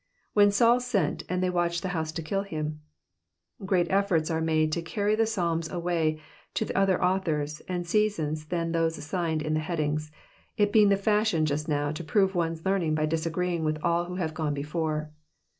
When Saul sent, and they watched the house to kill him. Great efforts were made to carry tke Psalms away to other auikors and seasons than those assigned in the headings, it being the fashion just now to prove one's learning by dis agreeing with all who have gone before.